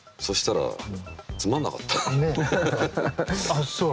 あっそう。